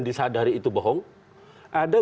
disadari itu bohong ada